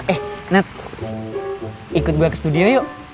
eh net ikut gue ke studio yuk